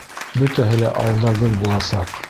Бөтәһе лә ал да гөл буласаҡ!